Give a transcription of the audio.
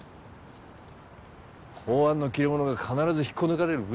公安の切れ者が必ず引っこ抜かれる部署があるだろ。